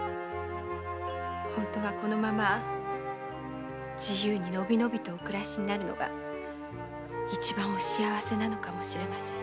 本当はこのまま自由にのびのびお暮らしになるのが一番お幸せなのかもしれません。